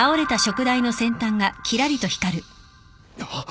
あっ。